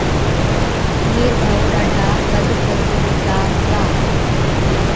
امير ڀائُو ڏاڍا بدفضيلَتا ھُتا